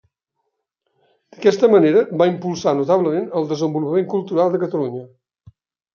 D'aquesta manera va impulsar notablement el desenvolupament cultural de Catalunya.